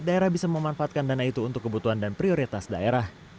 daerah bisa memanfaatkan dana itu untuk kebutuhan dan prioritas daerah